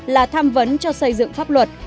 là tham vấn cho xây dựng pháp luật